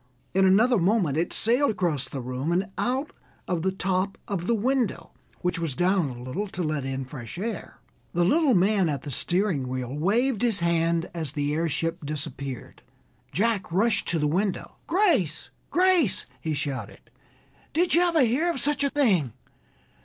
In another moment it sailed across the room and out of the top of the window, which was down a little to let in fresh air. The little man at the steering wheel waved his hand as the airship disappeared. Jack rushed to the window. "Grace, Grace!" he shouted, "did you ever hear of such a thing?